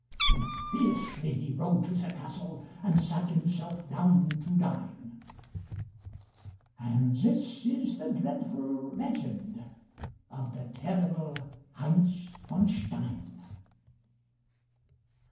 And fiercely he rode to the castle And sat himself down to dine; And this is the dreadful legend Of the terrible Heinz von Stein.